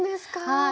はい。